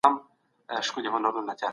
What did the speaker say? خلکو فکر کاوه چي مغول به هېڅکله بدل نه سي.